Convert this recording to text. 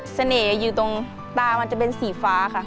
เสน่ห์อยู่ตรงตามันจะเป็นสีฟ้าค่ะ